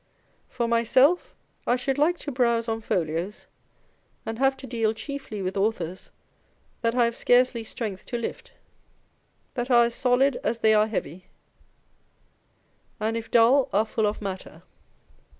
For myself, I should like to browse on folios, and have to deal chiefly with authors that I have scarcely strength to lift, that are as solid as they are heavy, and if dull, are full of matter.